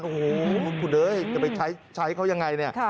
โอ้โหคุณเอ้ยจะไปใช้เขายังไงเนี่ย